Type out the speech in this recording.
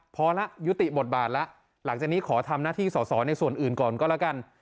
พอแล้วยุติบทบาทแล้วหลังจากนี้ขอทำหน้าที่สอสอในส่วนอื่นก่อนก็แล้วกัน